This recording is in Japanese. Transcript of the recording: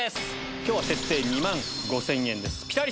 今日は設定２万５０００円です。